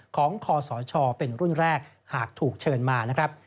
คศเป็นรุ่นแรกหากถูกเชิญมานะครับ